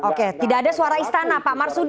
oke tidak ada suara istana pak marsudi